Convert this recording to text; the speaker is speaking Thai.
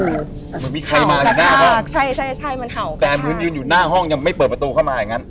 มันไม่มีใครมาที่หน้าหรอแต่มึงยืนอยู่หน้าห้องยังไม่เปิดประตูเข้ามาอย่างนั้น